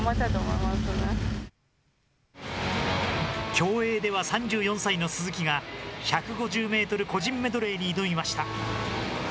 競泳では、３４歳の鈴木が、１５０メートル個人メドレーに挑みました。